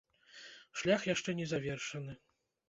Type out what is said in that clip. Шлях яшчэ не завершаны.